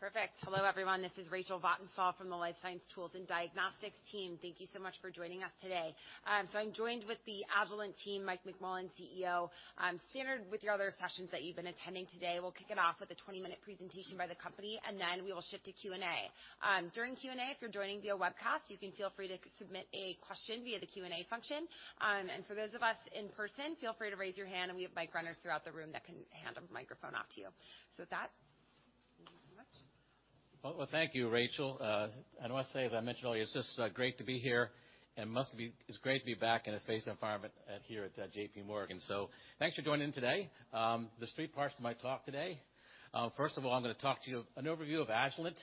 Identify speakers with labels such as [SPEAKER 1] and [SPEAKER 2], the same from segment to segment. [SPEAKER 1] Perfect. Hello, everyone. This is Rachel Vatnsdal from the Life Science Tools & Diagnostics team. Thank you so much for joining us today. I'm joined with the Agilent team, Mike McMullen, CEO. Standard with your other sessions that you've been attending today, we'll kick it off with a 20-minute presentation by the company, then we will shift to Q&A. During Q&A, if you're joining via webcast, you can feel free to submit a question via the Q&A function. For those of us in person, feel free to raise your hand, we have mic runners throughout the room that can hand a microphone off to you. With that, thank you so much.
[SPEAKER 2] Well, thank you, Rachel. I want to say, as I mentioned earlier, it's just great to be here and it's great to be back in a face environment here at JPMorgan. Thanks for joining today. There's three parts to my talk today. First of all, I'm gonna talk to you an overview of Agilent,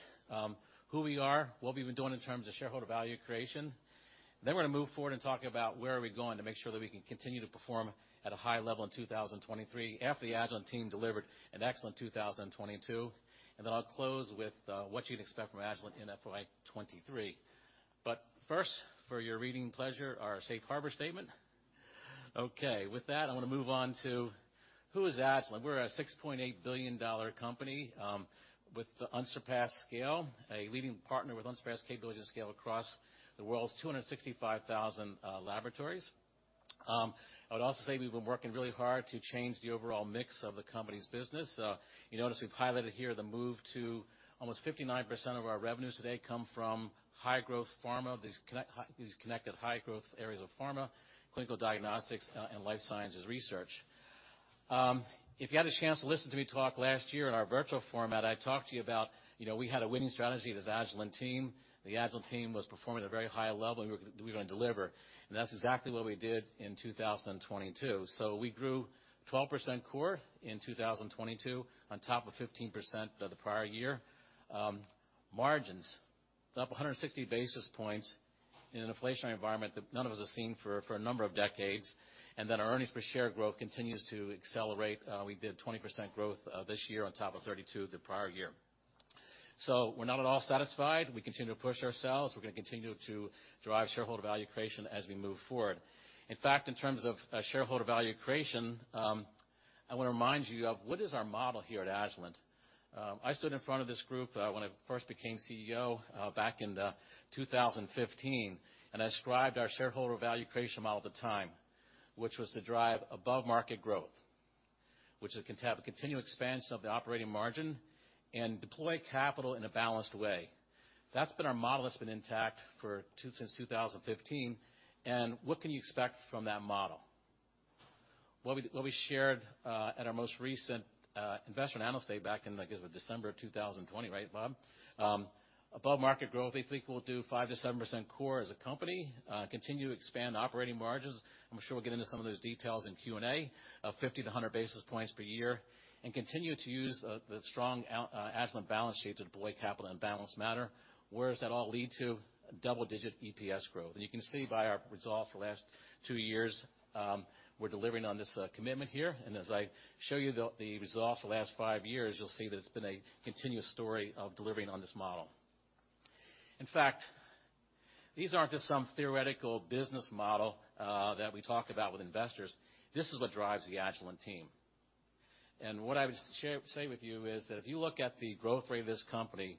[SPEAKER 2] who we are, what we've been doing in terms of shareholder value creation. Then we're gonna move forward and talk about where are we going to make sure that we can continue to perform at a high level in 2023 after the Agilent team delivered an excellent 2022. Then I'll close with what you'd expect from Agilent in FY 2023. First, for your reading pleasure, our safe harbor statement. Okay. I wanna move on to who is Agilent. We're a $6.8 billion company, with unsurpassed scale, a leading partner with unsurpassed capability and scale across the world's 265,000 laboratories. I would also say we've been working really hard to change the overall mix of the company's business. You notice we've highlighted here the move to almost 59% of our revenues today come from high-growth pharma. These connected high-growth areas of pharma, clinical diagnostics, and life sciences research. If you had a chance to listen to me talk last year in our virtual format, I talked to you about we had a winning strategy, this Agilent team. The Agilent team was performing at a very high level, and we're gonna deliver. That's exactly what we did in 2022. We grew 12% core in 2022 on top of 15% the prior year. Margins, up 160 basis points in an inflationary environment that none of us have seen for a number of decades. Our earnings per share growth continues to accelerate. We did 20% growth, this year on top of 32% the prior year. We're not at all satisfied. We continue to push ourselves. We're gonna continue to drive shareholder value creation as we move forward. In fact, in terms of shareholder value creation, I wanna remind you of what is our model here at Agilent. I stood in front of this group, when I first became CEO, back in 2015, and I described our shareholder value creation model at the time, which was to drive above-market growth, which is continue expansion of the operating margin and deploy capital in a balanced way. That's been our model that's been intact since 2015. What can you expect from that model? What we shared at our most recent investor analyst day back in, like, it was December of 2020, right, Bob? Above market growth, we think we'll do 5%-7% core as a company, continue to expand operating margins. I'm sure we'll get into some of those details in Q&A, 50 to 100 basis points per year, and continue to use the strong Agilent balance sheet to deploy capital in a balanced manner. Where does that all lead to? A double-digit EPS growth. You can see by our results for the last 2 years, we're delivering on this commitment here. As I show you the results for the last 5 years, you'll see that it's been a continuous story of delivering on this model. In fact, these aren't just some theoretical business model that we talk about with investors. This is what drives the Agilent team. What I would say with you is that if you look at the growth rate of this company,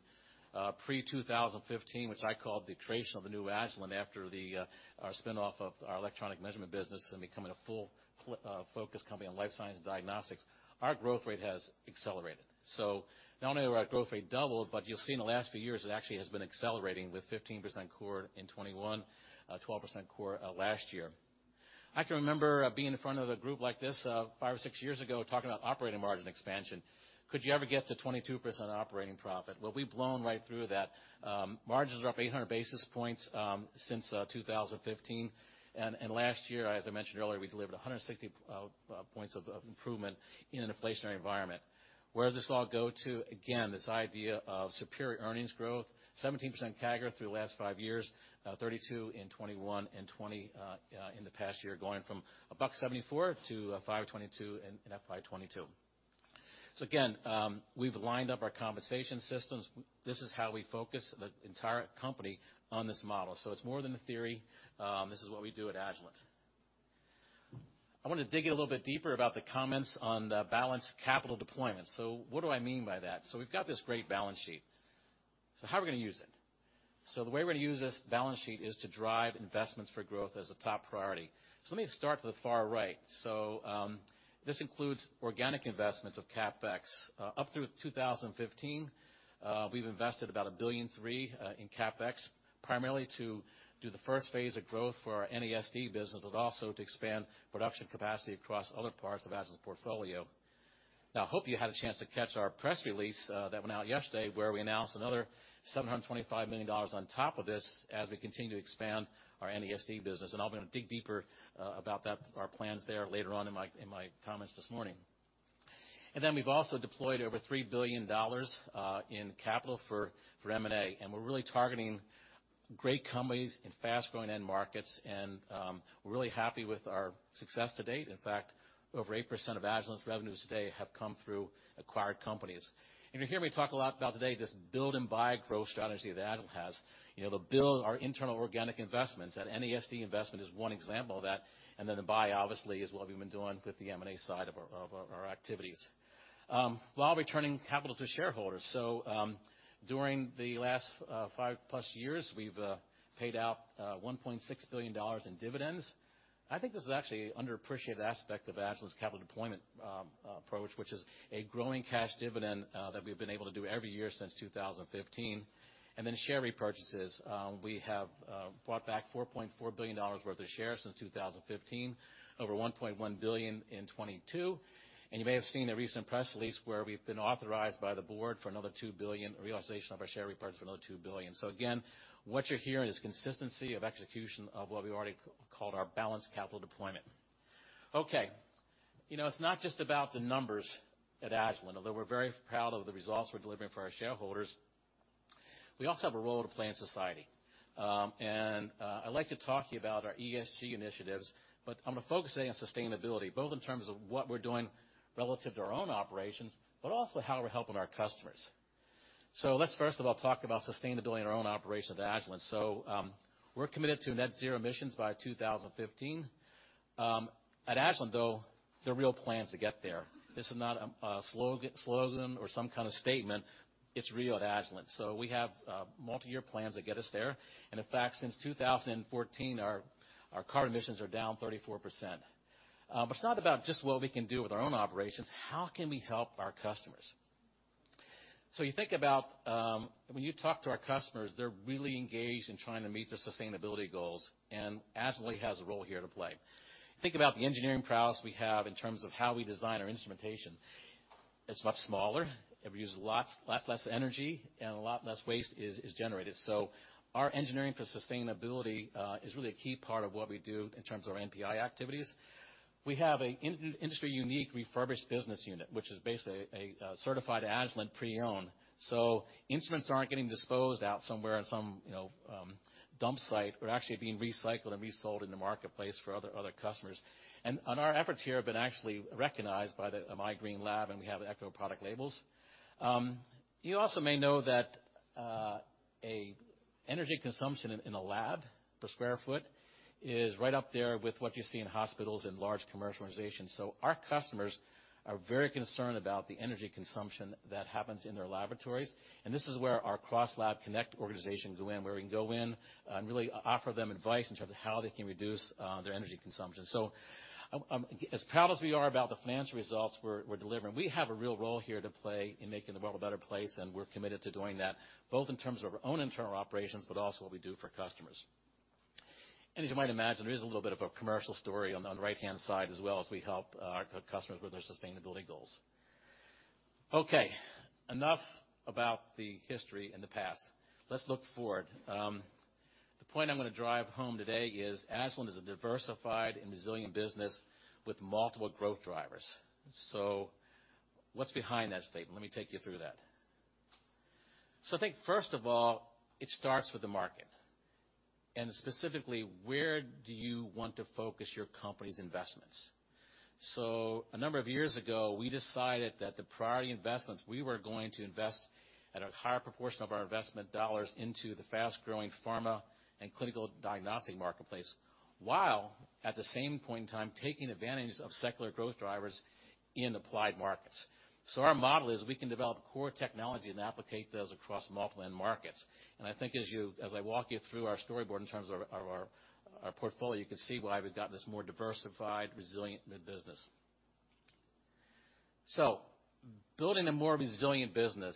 [SPEAKER 2] pre-2015, which I call the creation of the new Agilent after our spin-off of our electronic measurement business and becoming a full focus company on life science and diagnostics, our growth rate has accelerated. Not only our growth rate doubled, but you'll see in the last few years, it actually has been accelerating with 15% core in 2021, 12% core last year. I can remember being in front of a group like this, five or six years ago, talking about operating margin expansion. Could you ever get to 22% operating profit? Well, we've blown right through that. Margins are up 800 basis points since 2015. Last year, as I mentioned earlier, we delivered 160 points of improvement in an inflationary environment. Where does this all go to? Again, this idea of superior earnings growth, 17% CAGR through the last five years, 32% in 2021 and 20% in the past year, going from $1.74 to $5.22 in FY 2022. Again, we've lined up our compensation systems. This is how we focus the entire company on this model. It's more than a theory. This is what we do at Agilent. I wanna dig in a little bit deeper about the comments on the balanced capital deployment. What do I mean by that? We've got this great balance sheet. How are we gonna use it? The way we're gonna use this balance sheet is to drive investments for growth as a top priority. Let me start to the far right. This includes organic investments of CapEx. Up through 2015, we've invested about $1.3 billion in CapEx, primarily to do the Phase I of growth for our NASD business, but also to expand production capacity across other parts of Agilent's portfolio. Now, I hope you had a chance to catch our press release that went out yesterday, where we announced another $725 million on top of this as we continue to expand our NASD business. I'm gonna dig deeper about that, our plans there later on in my comments this morning. Then we've also deployed over $3 billion in capital for M&A, and we're really targeting great companies in fast-growing end markets, and we're really happy with our success to date. In fact, over 8% of Agilent's revenues today have come through acquired companies. You'll hear me talk a lot about today this build-and-buy growth strategy that Agilent has the build our internal organic investments, that NASD investment is one example of that. Then the buy, obviously, is what we've been doing with the M&A side of our activities. While returning capital to shareholders. During the last 5+ years, we've paid out $1.6 billion in dividends. I think this is actually underappreciated aspect of Agilent's capital deployment, approach, which is a growing cash dividend, that we've been able to do every year since 2015. Share repurchases, we have bought back $4.4 billion worth of shares since 2015, over $1.1 billion in 2022. You may have seen a recent press release where we've been authorized by the board for another $2 billion realization of our share repurchase for another $2 billion. Again, what you're hearing is consistency of execution of what we already called our balanced capital deployment. okay it's not just about the numbers at Agilent, although we're very proud of the results we're delivering for our shareholders. We also have a role to play in society. I'd like to talk to you about our ESG initiatives, but I'm gonna focus today on sustainability, both in terms of what we're doing relative to our own operations, but also how we're helping our customers. Let's first of all talk about sustainability in our own operations at Agilent. We're committed to net zero emissions by 2015. At Agilent, though, there are real plans to get there. This is not a slogan or some kind of statement. It's real at Agilent. We have multiyear plans that get us there. And in fact, since 2014, our carbon emissions are down 34%. It's not about just what we can do with our own operations. How can we help our customers? You think about, when you talk to our customers, they're really engaged in trying to meet their sustainability goals, and Agilent has a role here to play. Think about the engineering prowess we have in terms of how we design our instrumentation. It's much smaller, it uses a lot less energy, and a lot less waste is generated. Our engineering for sustainability is really a key part of what we do in terms of our NPI activities. We have an in-industry unique refurbished business unit, which is basically a certified Agilent pre-owned. Instruments aren't getting disposed out somewhere in some dump site, but actually being recycled and resold in the marketplace for other customers. Our efforts here have been actually recognized by the My Green Lab, and we have ACT Label labels. You also may know that energy consumption in a lab per 1 sq ft is right up there with what you see in hospitals and large commercial organizations. Our customers are very concerned about the energy consumption that happens in their laboratories, and this is where our CrossLab Connect organization go in, where we can go in and really offer them advice in terms of how they can reduce their energy consumption. As proud as we are about the financial results we're delivering, we have a real role here to play in making the world a better place, and we're committed to doing that, both in terms of our own internal operations, but also what we do for customers. As you might imagine, there is a little bit of a commercial story on the right-hand side as well as we help our customers with their sustainability goals. Okay. Enough about the history and the past. Let's look forward. The point I'm gonna drive home today is Agilent is a diversified and resilient business with multiple growth drivers. What's behind that statement? Let me take you through that. I think first of all, it starts with the market, and specifically, where do you want to focus your company's investments? A number of years ago, we decided that the priority investments we were going to invest at a higher proportion of our investment dollars into the fast-growing pharma and clinical diagnostic marketplace, while at the same point in time, taking advantage of secular growth drivers in applied markets. Our model is we can develop core technology and applicate those across multiple end markets. I think as I walk you through our storyboard in terms of our portfolio, you can see why we've gotten this more diversified, resilient mid-business. Building a more resilient business,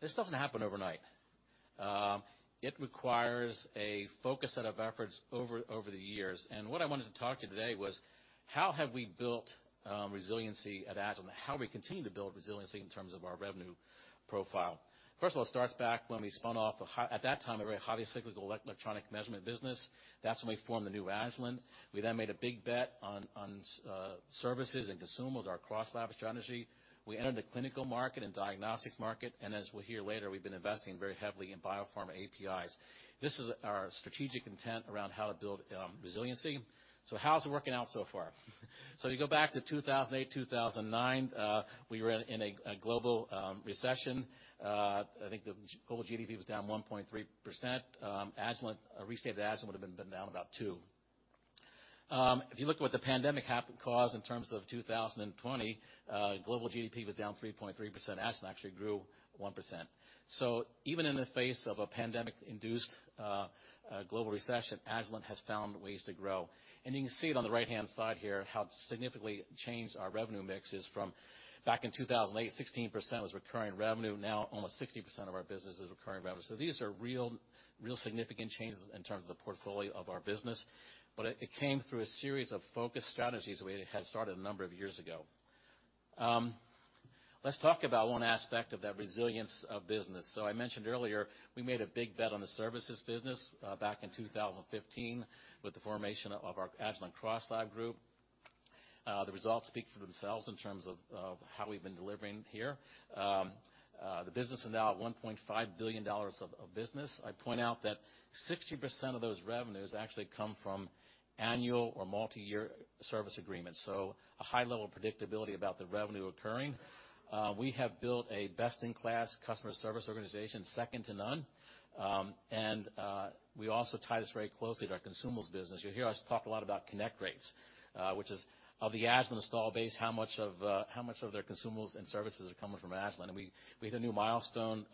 [SPEAKER 2] this doesn't happen overnight. It requires a focused set of efforts over the years. What I wanted to talk to you today was how have we built resiliency at Agilent, how we continue to build resiliency in terms of our revenue profile. First of all, it starts back when we spun off at that time, a very highly cyclical electronic measurement business. That's when we formed the new Agilent. We then made a big bet on services and consumables, our CrossLab strategy. We entered the clinical market and diagnostics market, and as we'll hear later, we've been investing very heavily in biopharma APIs. This is our strategic intent around how to build resiliency. How's it working out so far? You go back to 2008, 2009, we were in a global recession. I think the global GDP was down 1.3%. Agilent, restate of Agilent would've been down about 2%. If you look at what the pandemic caused in terms of 2020, global GDP was down 3.3%. Agilent actually grew 1%. Even in the face of a pandemic-induced global recession, Agilent has found ways to grow. You can see it on the right-hand side here, how significantly changed our revenue mix is from back in 2008, 16% was recurring revenue. Now almost 60% of our business is recurring revenue. These are real significant changes in terms of the portfolio of our business, but it came through a series of focused strategies we had started a number of years ago. Let's talk about one aspect of that resilience of business. I mentioned earlier, we made a big bet on the services business, back in 2015 with the formation of our Agilent CrossLab group. The results speak for themselves in terms of how we've been delivering here. The business is now at $1.5 billion of business. I point out that 60% of those revenues actually come from annual or multiyear service agreements, a high level of predictability about the revenue occurring. We have built a best-in-class customer service organization, second to none. We also tie this very closely to our consumables business. You'll hear us talk a lot about connect rates, which is of the Agilent install base, how much of their consumables and services are coming from Agilent. We hit a new milestone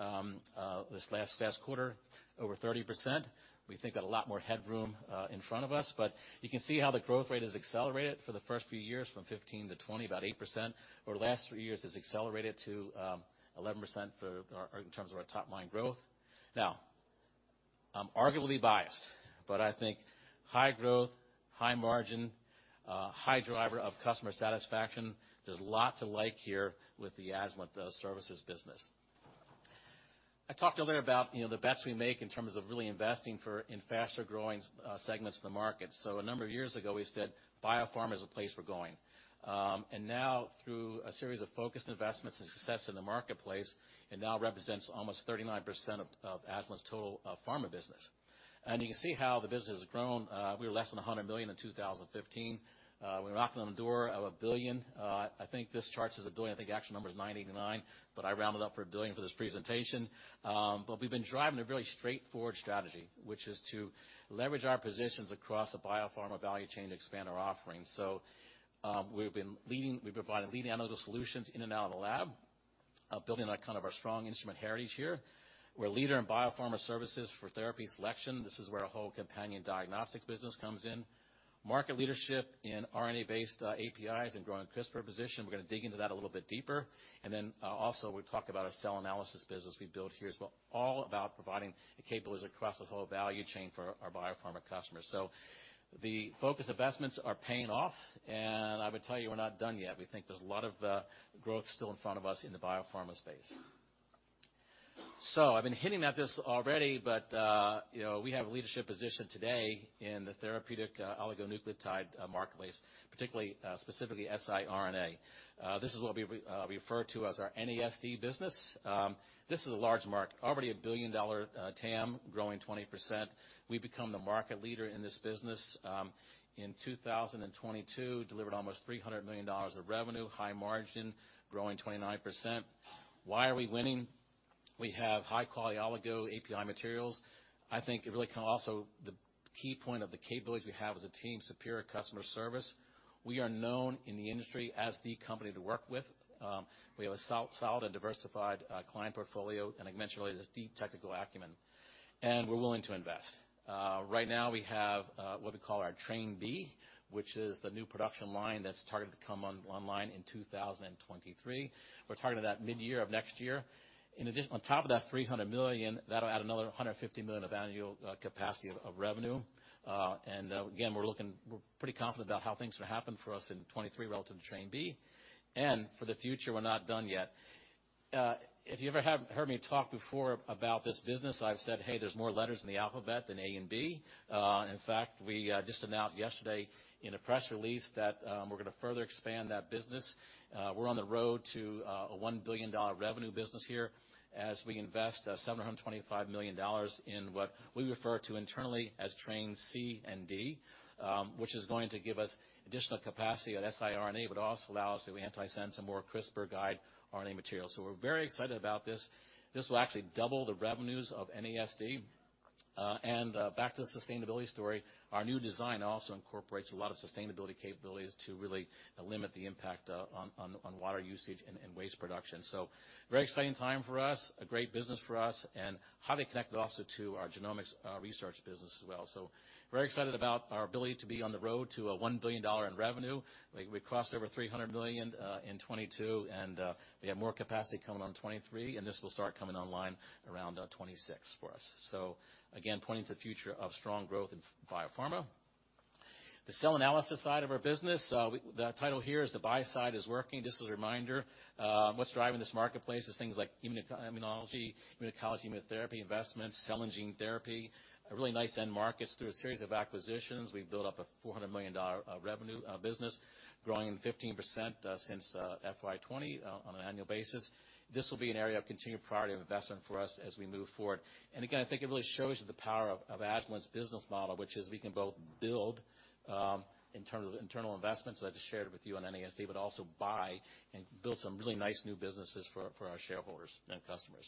[SPEAKER 2] this last quarter, over 30%. We think got a lot more headroom in front of us. You can see how the growth rate has accelerated for the first few years from 15-20, about 8%. Over the last 3 years, it's accelerated to 11% in terms of our top-line growth. I'm arguably biased, but I think high growth, high margin, high driver of customer satisfaction, there's a lot to like here with the Agilent Services business. I talked earlier about the bets we make in terms of really investing in faster growing segments of the market. A number of years ago, we said biopharma is the place we're going. Now through a series of focused investments and success in the marketplace, it now represents almost 39% of Agilent's total pharma business. You can see how the business has grown. We were less than $100 million in 2015. We're knocking on the door of $1 billion. I think this chart says $1 billion. I think the actual number is 98.9, but I round it up for $1 billion for this presentation. We've been driving a really straightforward strategy, which is to leverage our positions across the biopharma value chain to expand our offerings. We've provided leading analytical solutions in and out of the lab, building on kind of our strong instrument heritage here. We're a leader in biopharma services for therapy selection. This is where our whole companion diagnostics business comes in. Market leadership in RNA-based APIs and growing CRISPR position. We're gonna dig into that a little bit deeper. Also we talk about our cell analysis business we built here as well, all about providing a capability across the whole value chain for our biopharma customers. The focused investments are paying off, and I would tell you we're not done yet. We think there's a lot of growth still in front of us in the biopharma space. I've been hitting at this already we have a leadership position today in the therapeutic oligonucleotide marketplace, particularly specifically siRNA. This is what we refer to as our NASD business. This is a large market, already a billion-dollar TAM growing 20%. We've become the market leader in this business in 2022, delivered almost $300 million of revenue, high margin, growing 29%. Why are we winning? We have high-quality oligo API materials. I think it really kind of also the key point of the capabilities we have as a team, superior customer service. We are known in the industry as the company to work with. We have a solid and diversified client portfolio, like I mentioned earlier, this deep technical acumen, and we're willing to invest. Right now we have what we call our Train B, which is the new production line that's targeted to come online in 2023. We're targeted at mid-year of next year. In addition, on top of that $300 million, that'll add another $150 million of annual capacity of revenue. Again, we're pretty confident about how things are gonna happen for us in 2023 relative to Train B. For the future, we're not done yet. If you ever have heard me talk before about this business, I've said, "Hey, there's more letters in the alphabet than A and B." In fact, we just announced yesterday in a press release that we're gonna further expand that business. We're on the road to a $1 billion revenue business here as we invest $725 million in what we refer to internally as Train C and D, which is going to give us additional capacity at siRNA, but also allow us to do antisense and more CRISPR guide RNA materials. We're very excited about this. This will actually double the revenues of NASD. Back to the sustainability story, our new design also incorporates a lot of sustainability capabilities to really limit the impact on water usage and waste production. Very exciting time for us, a great business for us, and highly connected also to our genomics research business as well. Very excited about our ability to be on the road to a $1 billion in revenue. We crossed over $300 million in 2022, and we have more capacity coming on in 2023, and this will start coming online around 2026 for us. Again, pointing to the future of strong growth in biopharma. The cell analysis side of our business. The title here is The Buy Side is Working. Just as a reminder, what's driving this marketplace is things like immunotherapy, investments, cell and gene therapy, really nice end markets. Through a series of acquisitions, we've built up a $400 million revenue business growing 15% since FY 20 on an annual basis. This will be an area of continued priority of investment for us as we move forward. Again, I think it really shows the power of Agilent's business model, which is we can both build in terms of internal investments, as I just shared with you on NASD, but also buy and build some really nice new businesses for our shareholders and customers.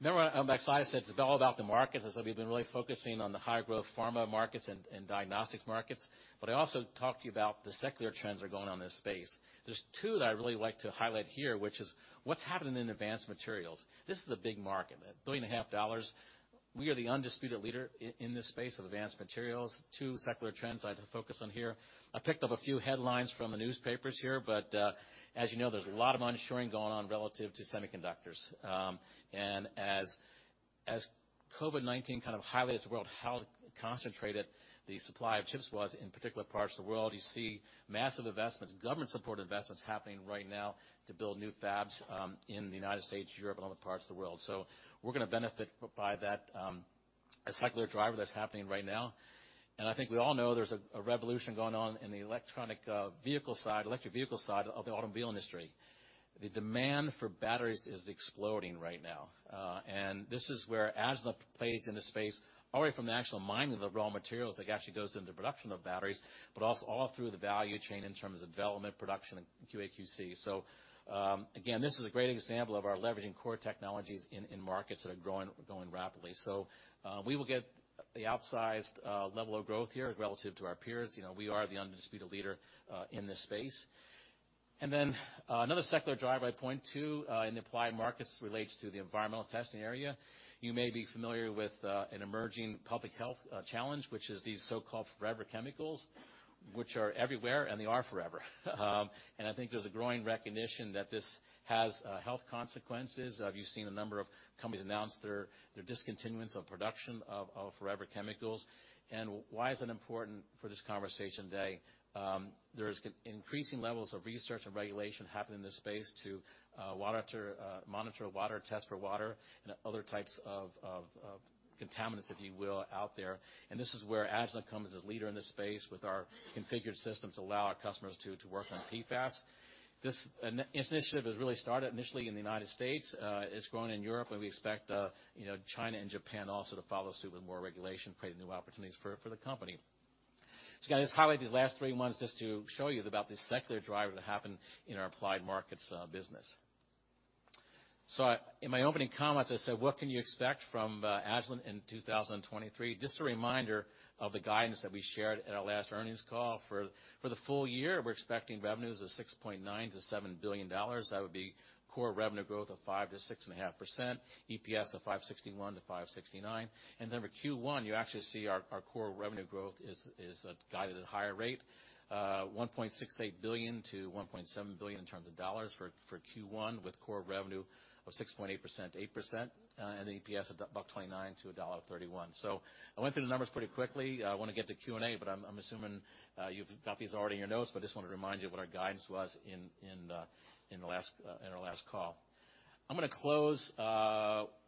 [SPEAKER 2] Remember when I backslide, I said it's all about the markets, as we've been really focusing on the high growth pharma markets and diagnostics markets, but I also talked to you about the secular trends that are going on in this space. There's two that I really like to highlight here, which is what's happening in advanced materials. This is a big market, $1.5 billion. We are the undisputed leader in this space of advanced materials. Two secular trends I like to focus on here. I picked up a few headlines from the newspapers here, but, as, there's a lot of ensuring going on relative to semiconductors. As COVID-19 kind of highlighted to the world how concentrated the supply of chips was in particular parts of the world, you see massive investments, government-supported investments happening right now to build new fabs in the United States, Europe, and other parts of the world. We're gonna benefit by that. A secular driver that's happening right now, and I think we all know there's a revolution going on in the electric vehicle side of the automobile industry. The demand for batteries is exploding right now. This is where Agilent plays in the space, all the way from the actual mining of the raw materials that actually goes into production of batteries, but also all through the value chain in terms of development, production, and QAQC. Again, this is a great example of our leveraging core technologies in markets that are growing rapidly. We will get the outsized level of growth here relative to our peers we are the undisputed leader in this space. Another secular drive I point to in Applied Markets relates to the environmental testing area. You may be familiar with an emerging public health challenge, which is these so-called forever chemicals, which are everywhere, and they are forever. I think there's a growing recognition that this has health consequences. You've seen a number of companies announce their discontinuance of production of forever chemicals. Why is it important for this conversation today? There's increasing levels of research and regulation happening in this space to monitor water, test for water, and other types of contaminants, if you will, out there. This is where Agilent comes as leader in this space with our configured systems to allow our customers to work on PFAS. This initiative has really started initially in the United States. It's grown in Europe, where we expect China and Japan also to follow suit with more regulation, create new opportunities for the company. Again, I just highlight these last three ones just to show you about the secular drivers that happen in our Applied Markets business. In my opening comments, I said, what can you expect from Agilent in 2023? Just a reminder of the guidance that we shared at our last earnings call. For the full year, we're expecting revenues of $6.9 billion-$7 billion. That would be core revenue growth of 5%-6.5%, EPS of $5.61-$5.69. Then for Q1, you actually see our core revenue growth is guided at a higher rate. $1.68 billion-$1.7 billion in terms of dollars for Q1, with core revenue of 6.8%, 8%, and an EPS of $1.29-$1.31. I went through the numbers pretty quickly. I wanna get to Q&A, but I'm assuming you've got these already in your notes, but I just wanna remind you what our guidance was in our last call. I'm gonna close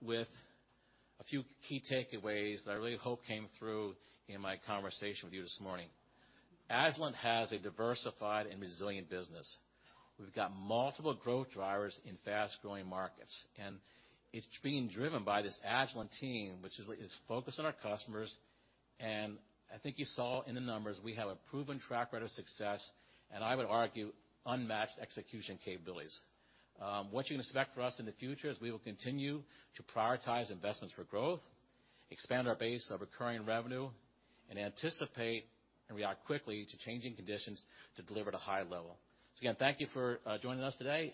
[SPEAKER 2] with a few key takeaways that I really hope came through in my conversation with you this morning. Agilent has a diversified and resilient business. We've got multiple growth drivers in fast-growing markets, and it's being driven by this Agilent team, which is focused on our customers. I think you saw in the numbers we have a proven track record of success, and I would argue unmatched execution capabilities. What you can expect from us in the future is we will continue to prioritize investments for growth, expand our base of recurring revenue, and anticipate and react quickly to changing conditions to deliver at a high level. Again, thank you for joining us today.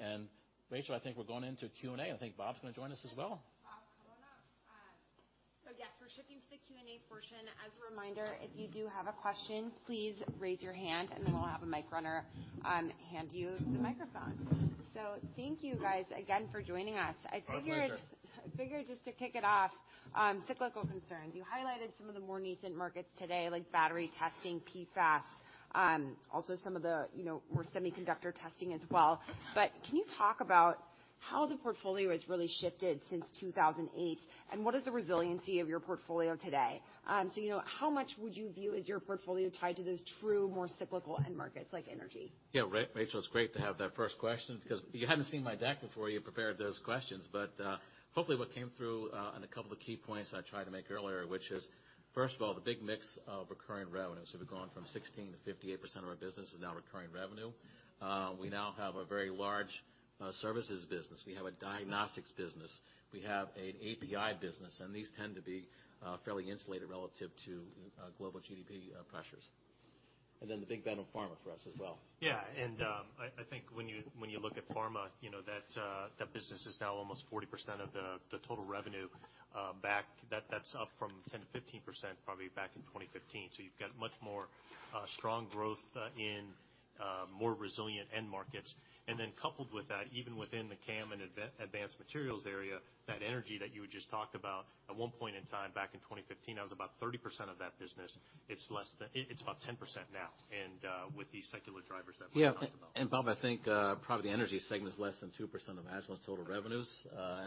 [SPEAKER 2] Rachel, I think we're going into Q&A. I think Bob's going to join us as well.
[SPEAKER 1] Bob, come on up. Yes, we're shifting to the Q&A portion. As a reminder, if you do have a question, please raise your hand, we'll have a mic runner hand you the microphone. Thank you guys again for joining us.
[SPEAKER 2] My pleasure.
[SPEAKER 1] I figure just to kick it off, cyclical concerns. You highlighted some of the more nascent markets today, like battery testing, PFAS, also some of the more semiconductor testing as well. Can you talk about how the portfolio has really shifted since 2008, and what is the resiliency of your portfolio today?, how much would you view as your portfolio tied to those true, more cyclical end markets like energy?
[SPEAKER 2] Yeah. Rachel, it's great to have that first question because you hadn't seen my deck before you prepared those questions. Hopefully what came through on a couple of key points I tried to make earlier, which is, first of all, the big mix of recurring revenues. We've gone from 16 to 58% of our business is now recurring revenue. We now have a very large services business. We have a diagnostics business, we have an API business, and these tend to be fairly insulated relative to global GDP pressures. The big bet on pharma for us as well.
[SPEAKER 3] Yeah. I think when you, when you look at pharma that business is now almost 40% of the total revenue back. That's up from 10%-15% probably back in 2015. You've got much more strong growth in more resilient end markets. Coupled with that, even within the CAM and Advanced Materials area, that energy that you had just talked about, at one point in time back in 2015, that was about 30% of that business. It's about 10% now, and with these secular drivers that we've talked about.
[SPEAKER 2] Yeah. Bob, I think, probably the energy segment is less than 2% of Agilent's total revenues.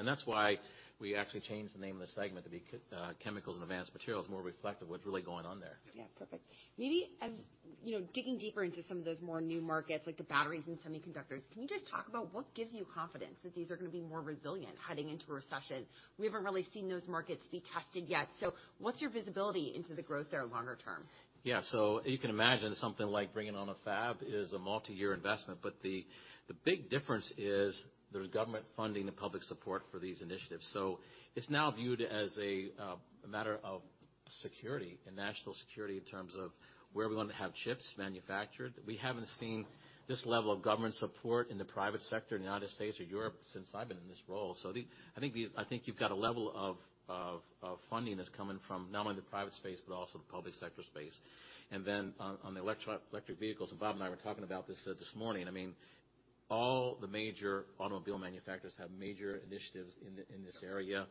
[SPEAKER 2] That's why we actually changed the name of the segment to be Chemicals and Advanced Materials, more reflective of what's really going on there.
[SPEAKER 1] Yeah. Perfect. Maybe as digging deeper into some of those more new markets like the batteries and semiconductors, can you just talk about what gives you confidence that these are gonna be more resilient heading into a recession? We haven't really seen those markets be tested yet. What's your visibility into the growth there longer term?
[SPEAKER 2] Yeah. You can imagine something like bringing on a fab is a multi-year investment, but the big difference is there's government funding and public support for these initiatives. It's now viewed as a matter of security and national security in terms of where we want to have chips manufactured. We haven't seen this level of government support in the private sector in the United States or Europe since I've been in this role. I think you've got a level of funding that's coming from not only the private space but also the public sector space. Then on the electro-electric vehicles, and Bob and I were talking about this morning. I mean, all the major automobile manufacturers have major initiatives in this area.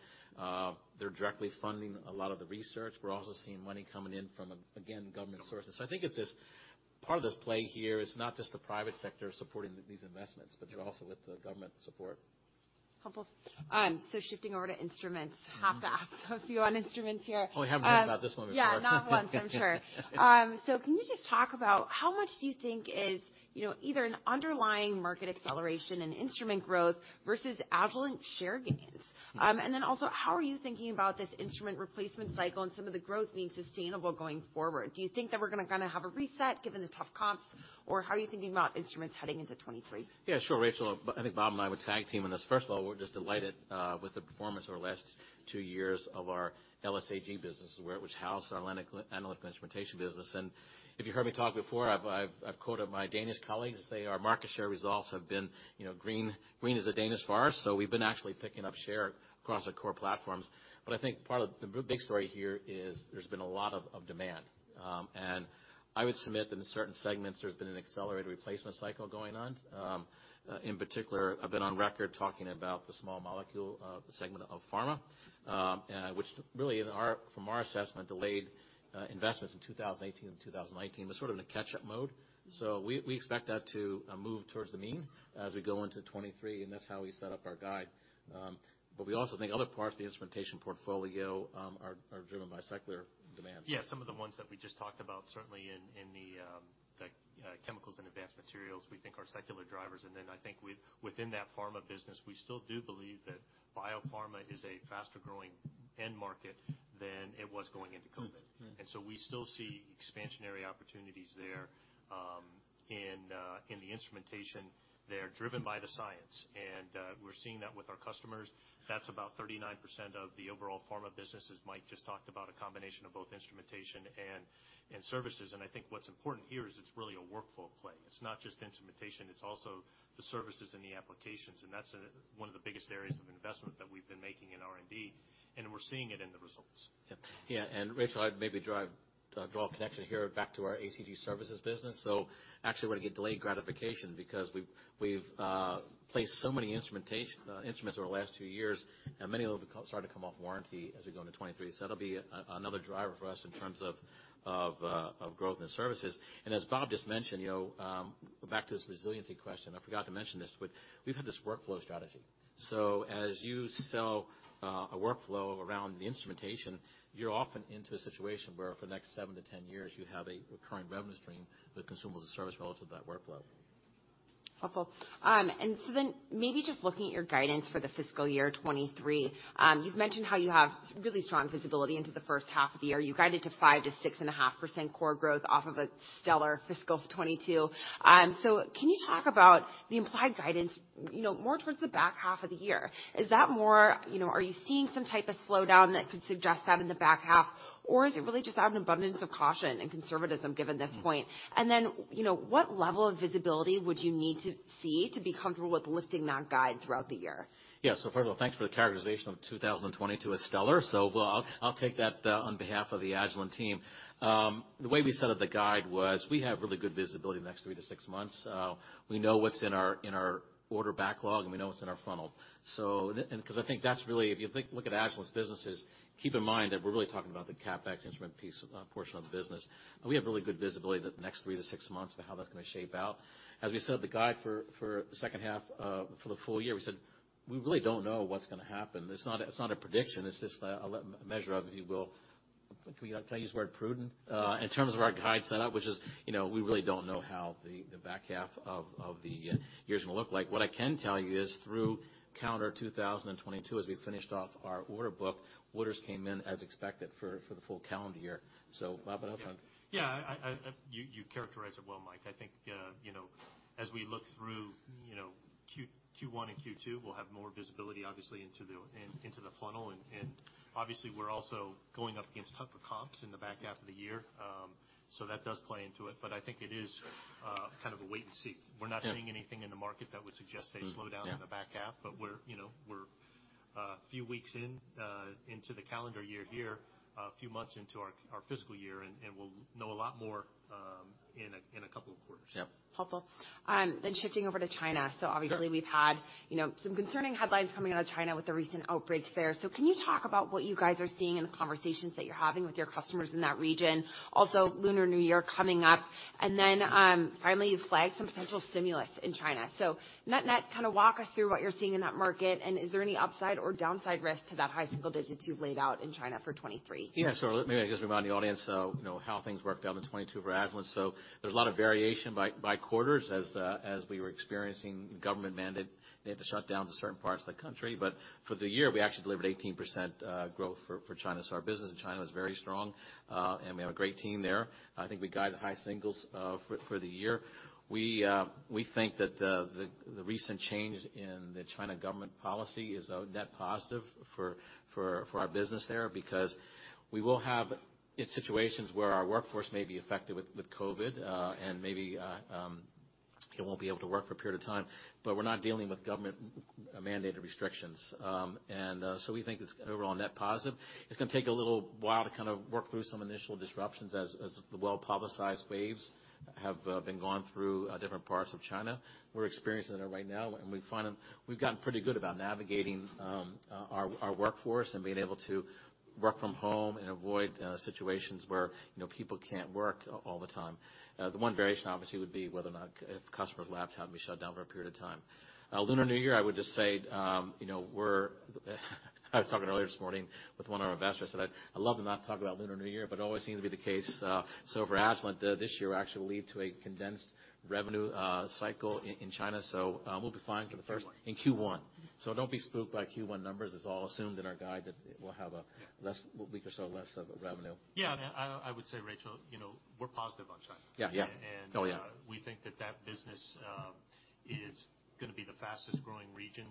[SPEAKER 2] They're directly funding a lot of the research. We're also seeing money coming in from, again, government sources. I think it's this, part of this play here is not just the private sector supporting these investments, but they're also with the government support.
[SPEAKER 1] Couple. shifting over to instruments.
[SPEAKER 2] Mm-hmm.
[SPEAKER 1] Have to ask a few on instruments here.
[SPEAKER 2] Oh, we haven't learned about this one before.
[SPEAKER 1] Yeah, not once, I'm sure. Can you just talk about how much do you think is either an underlying market acceleration in instrument growth versus Agilent share gains? How are you thinking about this instrument replacement cycle and some of the growth being sustainable going forward? Do you think that we're gonna kinda have a reset given the tough comps? How are you thinking about instruments heading into 2023?
[SPEAKER 2] Yeah, sure, Rachel. I think Bob and I would tag team on this. First of all, we're just delighted with the performance over the last 2 years of our LSAG business, where it was housed in our analytic instrumentation business. If you heard me talk before, I've quoted my Danish colleagues and say our market share results have been green. Green is a Danish forest, we've been actually picking up share across our core platforms. I think part of the big story here is there's been a lot of demand. I would submit that in certain segments, there's been an accelerated replacement cycle going on. In particular, I've been on record talking about the small molecule segment of pharma, which really from our assessment, delayed investments in 2018 and 2019. We're sort of in a catch-up mode. We expect that to move towards the mean as we go into 2023, and that's how we set up our guide. We also think other parts of the instrumentation portfolio are driven by secular demands.
[SPEAKER 3] Yeah, some of the ones that we just talked about, certainly in the, like, Chemicals and Advanced Materials, we think are secular drivers. I think within that pharma business, we still do believe that biopharma is a faster-growing end market than it was going into COVID-19.
[SPEAKER 2] Mm-hmm. Mm-hmm.
[SPEAKER 3] We still see expansionary opportunities there, in the instrumentation. They're driven by the science, and we're seeing that with our customers. That's about 39% of the overall pharma businesses. Mike just talked about a combination of both instrumentation and services. I think what's important here is it's really a workflow play. It's not just instrumentation, it's also the services and the applications, and that's one of the biggest areas of investment that we've been making in R&D, and we're seeing it in the results.
[SPEAKER 2] Yeah. Yeah, Rachel, I'd maybe draw a connection here back to our ACG services business. Actually want to get delayed gratification because we've placed so many instruments over the last 2 years, and many of them are starting to come off warranty as we go into 2023. That'll be another driver for us in terms of growth and services. As Bob just mentioned back to this resiliency question, I forgot to mention this, but we've had this workflow strategy. As you sell a workflow around the instrumentation, you're often into a situation where for the next 7 to 10 years, you have a recurring revenue stream that consumables a service relative to that workflow.
[SPEAKER 1] Helpful. maybe just looking at your guidance for the fiscal year 2023. You've mentioned how you have really strong visibility into the first half of the year. You guided to 5% to 6.5% core growth off of a stellar fiscal 2022. Can you talk about the implied guidance more towards the back half of the year? Is that more are you seeing some type of slowdown that could suggest having the back half? Or is it really just out of an abundance of caution and conservatism given this point?, what level of visibility would you need to see to be comfortable with lifting that guide throughout the year?
[SPEAKER 2] Yeah. First of all, thanks for the characterization of 2022 as stellar. I'll take that on behalf of the Agilent team. The way we set up the guide was we have really good visibility in the next three to six months. We know what's in our order backlog, and we know what's in our funnel. I think that's really. If you look at Agilent's businesses, keep in mind that we're really talking about the CapEx instrument piece, portion of the business. We have really good visibility that the next three to six months of how that's gonna shape out. As we set up the guide for the H2, for the full year, we said, "We really don't know what's gonna happen." It's not a prediction. It's just a measure of, if you will. Can I use the word prudent? In terms of our guide set up, which is we really don't know how the back half of the year's gonna look like. What I can tell you is through calendar 2022, as we finished off our order book, orders came in as expected for the full calendar year. Bob, what else on.
[SPEAKER 3] Yeah. You characterized it well, Mike. I think as we look through Q1 and Q2, we'll have more visibility, obviously, into the funnel. Obviously, we're also going up against tougher comps in the back half of the year. That does play into it. I think it is kind of a wait and see.
[SPEAKER 2] Yeah.
[SPEAKER 3] We're not seeing anything in the market that would suggest a slowdown.
[SPEAKER 2] Yeah.
[SPEAKER 3] in the back half. we're we're a few weeks in into the calendar year here, a few months into our fiscal year, and we'll know a lot more in a couple of quarters.
[SPEAKER 2] Yeah.
[SPEAKER 1] Helpful. Shifting over to China.
[SPEAKER 2] Yeah.
[SPEAKER 1] Obviously, we've had some concerning headlines coming out of China with the recent outbreaks there. Can you talk about what you guys are seeing in the conversations that you're having with your customers in that region? Also, Lunar New Year coming up. Then, finally, you've flagged some potential stimulus in China. Net-net, kind of walk us through what you're seeing in that market, and is there any upside or downside risk to that high single digits you've laid out in China for 2023?
[SPEAKER 2] Yeah, sure. Let me just remind the audience how things worked out in 2022 for Agilent. There's a lot of variation by quarters as we were experiencing government mandate. They had to shut down to certain parts of the country. For the year, we actually delivered 18% growth for China. Our business in China was very strong, and we have a great team there. I think we guided high singles for the year. We think that the recent change in the China government policy is a net positive for our business there because we will have in situations where our workforce may be affected with COVID, and maybe you won't be able to work for a period of time, but we're not dealing with government-mandated restrictions. We think it's overall net positive. It's gonna take a little while to kind of work through some initial disruptions as the well-publicized waves have been gone through different parts of China. We're experiencing it right now. We've gotten pretty good about navigating our workforce and being able to work from home and avoid situations where people can't work all the time. Lunar New Year, I would just say I was talking earlier this morning with one of our investors. I said, "I'd love to not talk about Lunar New Year, but it always seems to be the case." For Agilent, this year will actually lead to a condensed revenue cycle in China, so we'll be fine.
[SPEAKER 3] In Q1.
[SPEAKER 2] In Q1. Don't be spooked by Q1 numbers. It's all assumed in our guide that it will have.
[SPEAKER 3] Yeah...
[SPEAKER 2] less, a week or so less of revenue.
[SPEAKER 3] Yeah. I would say, rachel we're positive on China.
[SPEAKER 2] Yeah, yeah.
[SPEAKER 3] And, and, uh-
[SPEAKER 2] Oh, yeah....
[SPEAKER 3] we think that that business, is gonna be the fastest growing region,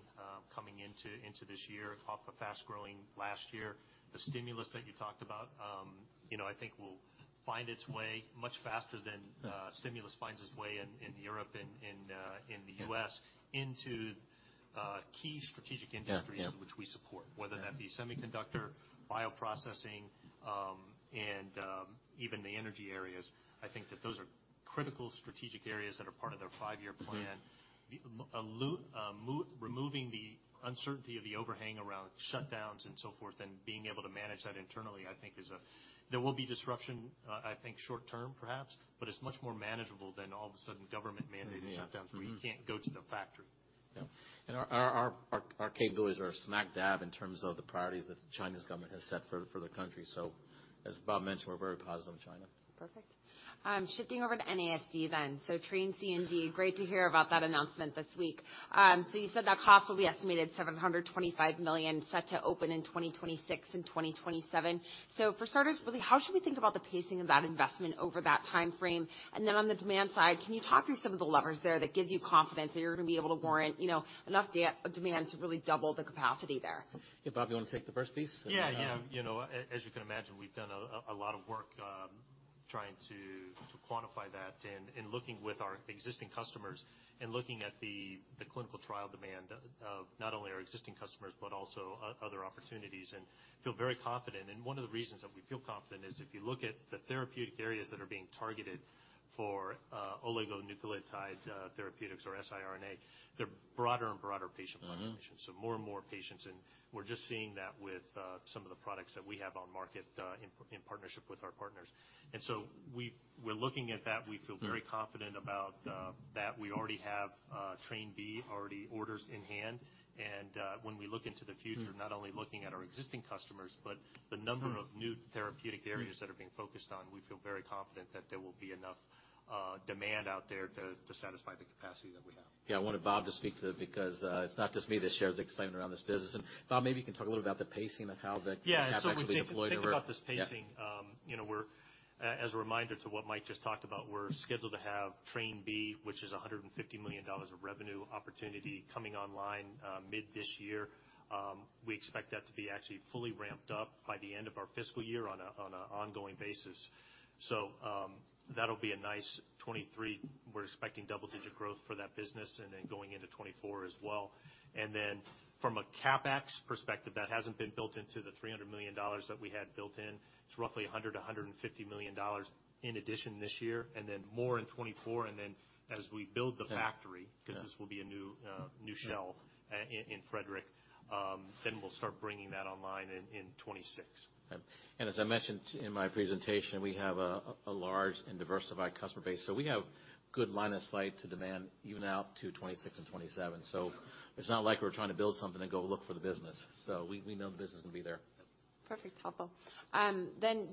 [SPEAKER 3] coming into this year off a fast-growing last year. The stimulus that you talked about I think will find its way much faster.
[SPEAKER 2] Yeah...
[SPEAKER 3] stimulus finds its way in Europe and, in the U.S.
[SPEAKER 2] Yeah...
[SPEAKER 3] into key strategic industries-
[SPEAKER 2] Yeah....
[SPEAKER 3] which we support.
[SPEAKER 2] Yeah.
[SPEAKER 3] Whether that be semiconductor, bioprocessing, and even the energy areas, I think that those are critical strategic areas that are part of their 5-year plan.
[SPEAKER 2] Mm-hmm.
[SPEAKER 3] Removing the uncertainty of the overhang around shutdowns and so forth and being able to manage that internally, I think is a. There will be disruption, I think short term perhaps, it's much more manageable than all of a sudden government-mandated shutdowns.
[SPEAKER 2] Yeah. Mm-hmm
[SPEAKER 3] where you can't go to the factory.
[SPEAKER 2] Yeah. Our capabilities are smack dab in terms of the priorities that China's government has set for the country. As Bob mentioned, we're very positive on China.
[SPEAKER 1] Perfect. Shifting over to NASD then. Train C and D, great to hear about that announcement this week. You said that cost will be estimated $725 million, set to open in 2026 and 2027. For starters, really, how should we think about the pacing of that investment over that timeframe? On the demand side, can you talk through some of the levers there that gives you confidence that you're gonna be able to warrant enough de-demand to really double the capacity there?
[SPEAKER 2] Yeah. Bob, you wanna take the first piece and then I'll-
[SPEAKER 3] Yeah, yeah as you can imagine, we've done a lot of work, trying to quantify that and looking with our existing customers and looking at the clinical trial demand of not only our existing customers but also other opportunities and feel very confident. One of the reasons that we feel confident is if you look at the therapeutic areas that are being targeted for oligonucleotide therapeutics or siRNA, they're broader and broader patient populations.
[SPEAKER 2] Mm-hmm.
[SPEAKER 3] More and more patients, and we're just seeing that with some of the products that we have on market, in partnership with our partners. We're looking at that. We feel very confident about that. We already have Train B already orders in hand. When we look into the future.
[SPEAKER 2] Mm-hmm...
[SPEAKER 3] not only looking at our existing customers, but the number of new therapeutic areas that are being focused on, we feel very confident that there will be enough demand out there to satisfy the capacity that we have.
[SPEAKER 2] Yeah. I wanted Bob to speak to it because, it's not just me that shares the excitement around this business. Bob, maybe you can talk a little about the pacing of how.
[SPEAKER 3] Yeah. when you think-
[SPEAKER 2] cap's actually deployed over-
[SPEAKER 3] Think about this pacing.
[SPEAKER 2] Yeah.,
[SPEAKER 3] we're, as a reminder to what Mike just talked about, we're scheduled to have Train B, which is $150 million of revenue opportunity coming online, mid this year. We expect that to be actually fully ramped up by the end of our fiscal year on an ongoing basis. That'll be a nice 2023, we're expecting double-digit growth for that business and then going into 2024 as well. From a CapEx perspective, that hasn't been built into the $300 million that we had built in. It's roughly $100 million-$150 million in addition this year, and then more in 2024. As we build the factory-
[SPEAKER 2] Yeah....
[SPEAKER 3] 'cause this will be a new shell, in Frederick, then we'll start bringing that online in 2026.
[SPEAKER 2] As I mentioned in my presentation, we have a large and diversified customer base, so we have good line of sight to demand even out to 2026 and 2027. It's not like we're trying to build something and go look for the business. We know the business is gonna be there.
[SPEAKER 1] Perfect. Helpful.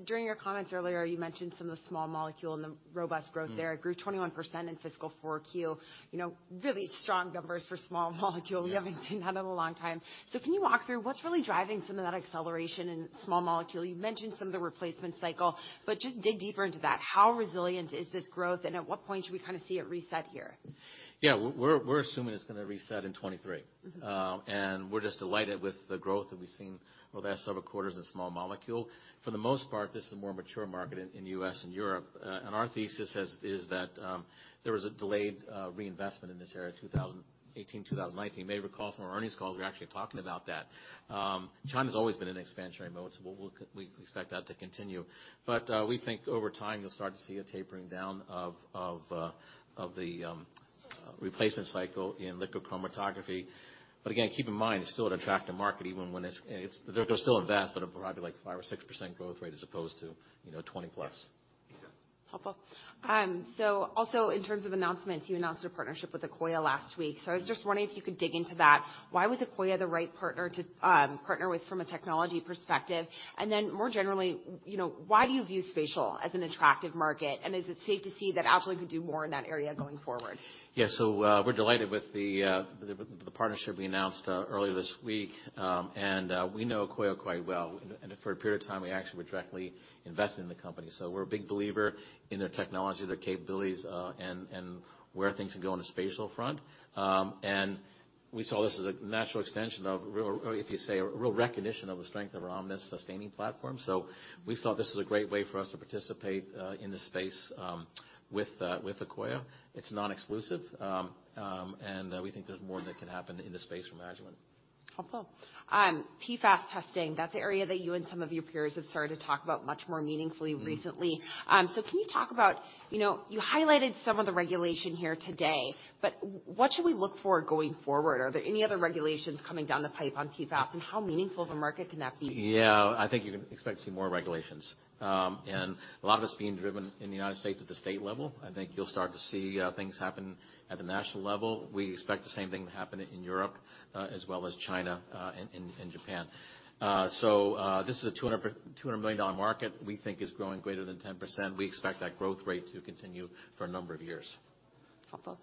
[SPEAKER 1] During your comments earlier, you mentioned some of the small molecule and the robust growth there.
[SPEAKER 2] Mm-hmm.
[SPEAKER 1] It grew 21% in fiscal 4q really strong numbers for small molecule.
[SPEAKER 2] Yeah.
[SPEAKER 1] We haven't seen that in a long time. Can you walk through what's really driving some of that acceleration in small molecule? You mentioned some of the replacement cycle, but just dig deeper into that. How resilient is this growth, and at what point should we kind of see it reset here?
[SPEAKER 2] Yeah. We're assuming it's gonna reset in 2023.
[SPEAKER 1] Mm-hmm.
[SPEAKER 2] We're just delighted with the growth that we've seen over the last several quarters in small molecule. For the most part, this is a more mature market in U.S. and Europe. Our thesis is that there was a delayed reinvestment in this area in 2018, 2019. You may recall some of our earnings calls, we were actually talking about that. China's always been an expansionary mode, so we expect that to continue. We think over time you'll start to see a tapering down of the replacement cycle in liquid chromatography. Again, keep in mind, it's still an attractive market even when it's They're still invest, but it'll probably be like 5% or 6% growth rate as opposed to 20-plus.
[SPEAKER 3] Yeah. Exactly.
[SPEAKER 1] Helpful. Also in terms of announcements, you announced a partnership with Akoya last week.
[SPEAKER 2] Mm-hmm.
[SPEAKER 1] I was just wondering if you could dig into that. Why was Akoya the right partner to partner with from a technology perspective? Then more generally why do you view spatial as an attractive market? Is it safe to see that Agilent could do more in that area going forward?
[SPEAKER 2] We're delighted with the partnership we announced earlier this week. We know Akoya quite well. For a period of time, we actually were directly invested in the company. We're a big believer in their technology, their capabilities, and where things can go on the spatial front. We saw this as a natural extension of real, or if you say, a real recognition of the strength of our Omnis sustaining platform. We thought this was a great way for us to participate in this space with Akoya. It's non-exclusive. We think there's more that can happen in the space from Agilent.
[SPEAKER 1] Helpful. PFAS testing, that's an area that you and some of your peers have started to talk about much more meaningfully recently. Can you talk about you highlighted some of the regulation here today, but what should we look for going forward? Are there any other regulations coming down the pipe on PFAS, and how meaningful of a market can that be?
[SPEAKER 2] Yeah. I think you can expect to see more regulations. A lot of it's being driven in the United States at the state level. I think you'll start to see things happen at the national level. We expect the same thing to happen in Europe, as well as China, and Japan. This is a $200 million market we think is growing greater than 10%. We expect that growth rate to continue for a number of years.
[SPEAKER 1] Helpful.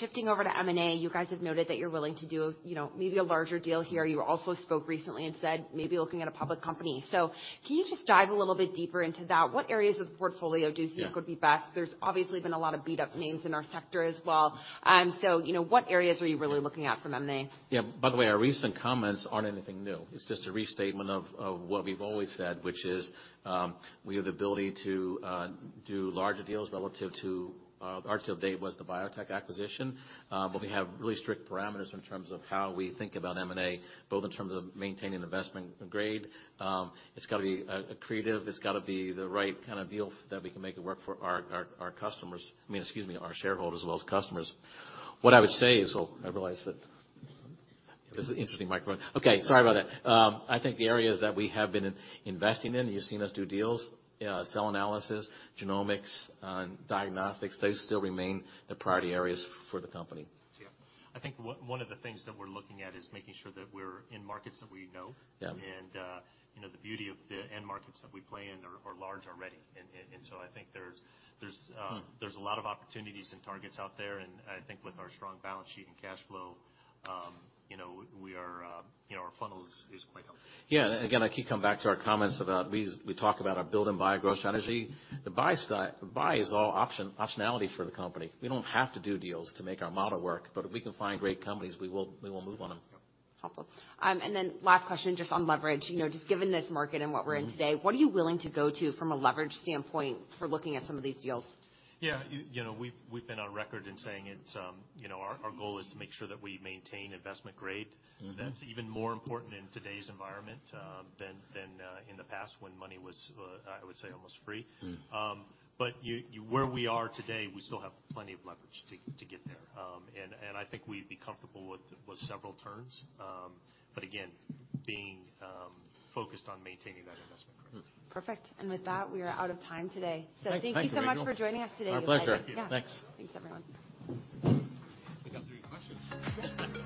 [SPEAKER 1] Shifting over to M&A, you guys have noted that you're willing to do maybe a larger deal here. You also spoke recently and said maybe looking at a public company. Can you just dive a little bit deeper into that? What areas of the portfolio do you think-
[SPEAKER 2] Yeah.
[SPEAKER 1] would be best? There's obviously been a lot of beat-up names in our sector as well what areas are you really looking at for M&A?
[SPEAKER 2] Yeah. By the way, our recent comments aren't anything new. It's just a restatement of what we've always said, which is, we have the ability to do larger deals relative to our largest deal to date was the BioTek acquisition. But we have really strict parameters in terms of how we think about M&A, both in terms of maintaining investment grade. It's gotta be creative. It's gotta be the right kind of deal that we can make it work for our customers. I mean, excuse me, our shareholders as well as customers. What I would say is. I realize that this is an interesting microphone. Okay, sorry about that. I think the areas that we have been investing in, you've seen us do deals, cell analysis, genomics, and diagnostics. Those still remain the priority areas for the company.
[SPEAKER 3] Yeah. I think one of the things that we're looking at is making sure that we're in markets that we know.
[SPEAKER 2] Yeah.,
[SPEAKER 3] the beauty of the end markets that we play in are large already. I think there's a lot of opportunities and targets out there, and I think with our strong balance sheet and cash flow we are our funnel is quite healthy.
[SPEAKER 2] Yeah. Again, I keep coming back to our comments about we talk about our build and buy growth strategy. The buy is all optionality for the company. We don't have to do deals to make our model work, but if we can find great companies, we will move on them.
[SPEAKER 1] Helpful. Last question, just on leverage just given this market and what we're in today, what are you willing to go to from a leverage standpoint for looking at some of these deals?
[SPEAKER 3] yeah we've been on record in saying it's our goal is to make sure that we maintain investment grade.
[SPEAKER 2] Mm-hmm.
[SPEAKER 3] That's even more important in today's environment, than, in the past when money was, I would say almost free.
[SPEAKER 2] Mm.
[SPEAKER 3] Where we are today, we still have plenty of leverage to get there. I think we'd be comfortable with several turns. Again, being focused on maintaining that investment grade.
[SPEAKER 2] Mm.
[SPEAKER 1] Perfect. With that, we are out of time today.
[SPEAKER 2] Thank you.
[SPEAKER 3] Thank you.
[SPEAKER 1] Thank you so much for joining us today.
[SPEAKER 2] Our pleasure.
[SPEAKER 3] Thank you.
[SPEAKER 2] Thanks.
[SPEAKER 1] Thanks, everyone.
[SPEAKER 2] We got through your questions.